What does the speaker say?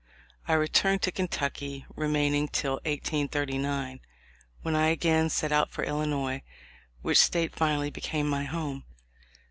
I returned to Kentucky, remaining till 1839, when I again set out for Illi nois, which State finally became my home."